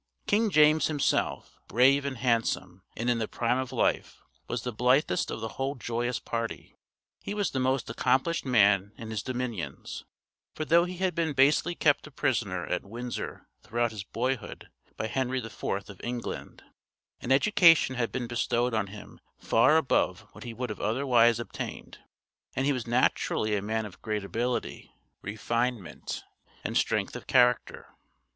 King James himself, brave and handsome, and in the prime of life, was the blithest of the whole joyous party. He was the most accomplished man in his dominions; for though he had been basely kept a prisoner at Windsor throughout his boyhood by Henry IV of England, an education had been bestowed on him far above what he would have otherwise obtained; and he was naturally a man of great ability, refinement, and strength of character.